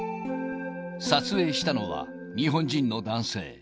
撮影したのは日本人の男性。